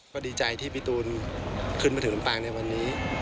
ก็ดีใจที่พี่ตูนขึ้นมาถึงลำปางในวันนี้